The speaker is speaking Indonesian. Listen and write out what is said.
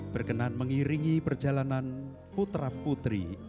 berkenan mengiringi perjalanan putra putri